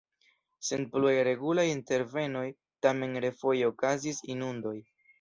Sen pluaj regulaj intervenoj tamen refoje okazis inundoj.